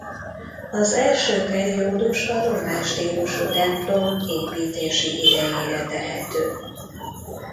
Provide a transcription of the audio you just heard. Az első periódus a román stílusú templom építési idejére tehető.